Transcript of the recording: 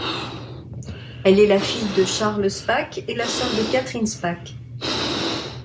Elle est la fille de Charles Spaak et la sœur de Catherine Spaak.